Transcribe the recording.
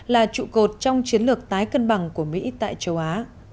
là trụ cột trong chiến lược tái cân bằng của mỹ tại châu á